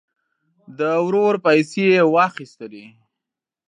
د ورور پیسې یې واخیستلې.